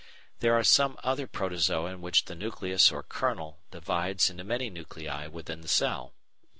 There are some other Protozoa in which the nucleus or kernel divides into many nuclei within the cell.